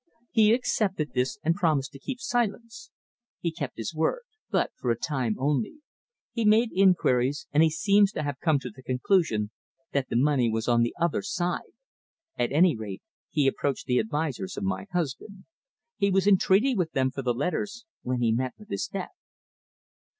He accepted this, and promised to keep silence. He kept his word, but for a time only. He made inquiries, and he seems to have come to the conclusion that the money was on the other side. At any rate, he approached the advisers of my husband. He was in treaty with them for the letters when he when he met with his death!"